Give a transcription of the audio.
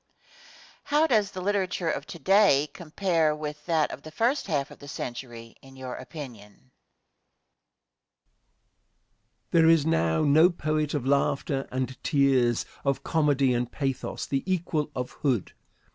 Question. How does the literature of to day compare with that of the first half of the century, in your opinion? Answer. There is now no poet of laughter and tears, of comedy and pathos, the equal of Hood.